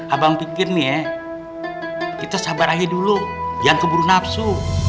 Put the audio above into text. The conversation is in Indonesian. abang pikir nih ya kita sabar ajai dulu jangan keburu nafsu